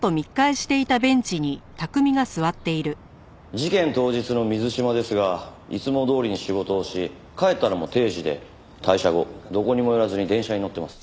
事件当日の水島ですがいつもどおりに仕事をし帰ったのも定時で退社後どこにも寄らずに電車に乗ってます。